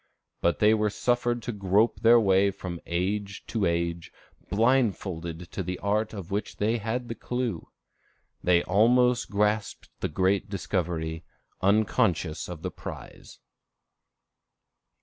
But they were suffered to grope their way from age to age blindfolded to the art of which they had the clew. They almost grasped the great discovery, unconscious of the prize.